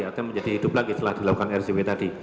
atau menjadi hidup lagi setelah dilakukan rcw tadi